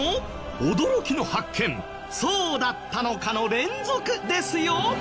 驚きの発見そうだったのか！！の連続ですよ。